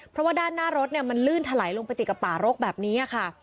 เพราะว่าด้านหน้ารถมันลื่นถลายลงไปติดกับป่ารกแบบนี้ค่ะ